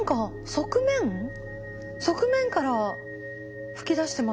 側面から噴き出してます？